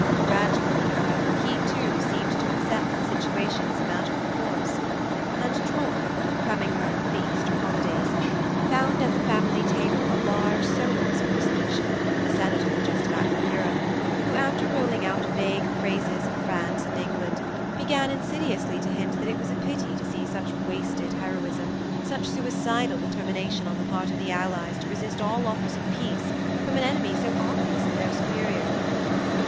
Gradually, however, he too seemed to accept the situation as a matter of course, and Troy, coming home for the Easter holidays, found at the family table a large sonorous personage a Senator, just back from Europe who, after rolling out vague praises of France and England, began insidiously to hint that it was a pity to see such wasted heroism, such suicidal determination on the part of the Allies to resist all offers of peace from an enemy so obviously their superior.